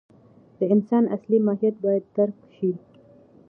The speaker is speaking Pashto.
د انسان اصلي ماهیت باید درک شي.